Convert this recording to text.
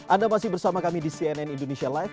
anda masih bersama kami di cnn indonesia live